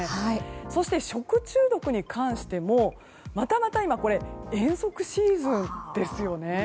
そして食中毒に関してもまたまた今これ遠足シーズンですよね。